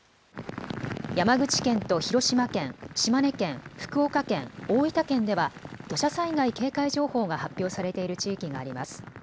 山口県と広島県、島根県、福岡県、大分県では土砂災害警戒情報が発表されている地域があります。